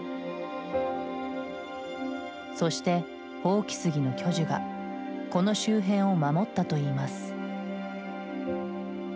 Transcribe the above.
そして、箒杉の巨樹がこの周辺を守ったといいます。